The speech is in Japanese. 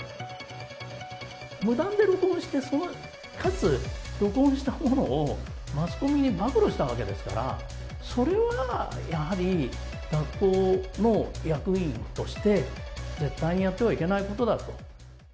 無断で録音して、その、かつ、録音したものをマスコミに暴露したわけですから、それはやはり、学校の役員として、絶対にやってはいけないことだと。